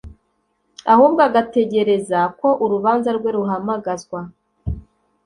ahubwo agategereza ko urubanza rwe ruhamagazwa